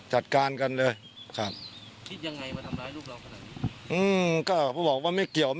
ให้ตำรวจจัดการกันเลย